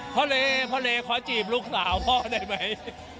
พ่อเลพ่อเลขอจีบลูกสาวพ่อได้ไหม